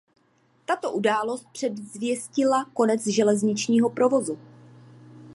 Tato událost předvěstila konec železničního provozu.